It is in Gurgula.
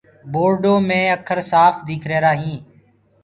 بورڊو مي اکر سآڦ ديک رهيرآ هينٚ۔